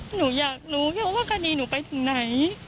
หนูอยากรู้ว่าการีหนูไปถึงไหน